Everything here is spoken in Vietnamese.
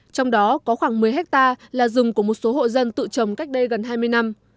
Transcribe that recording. trong đó có khoảng một mươi hectare là rừng của một số hộ dân tự trồng cách đây gần hai mươi năm